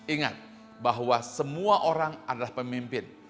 ingat bahwa semua orang adalah pemimpin